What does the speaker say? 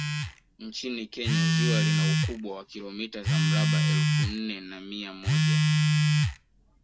Nchini Kenya ziwa lina ukubwa wa kilomita za mraba elfu nne na mia moja